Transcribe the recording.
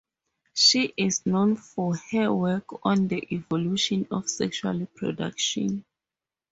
She is known for her work on the Evolution of sexual reproduction.